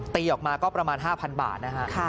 ตีออกมาก็ประมาณ๕๐๐บาทนะฮะ